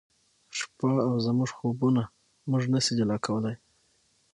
شپه او زموږ خوبونه موږ نه شي جلا کولای